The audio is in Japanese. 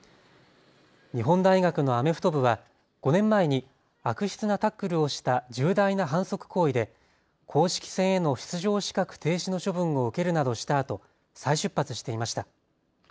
日本大学のアメフト部は５年前に悪質なタックルをした重大な反則行為で公式戦への出場資格停止の処分を受けるなどしたあと再出発していました。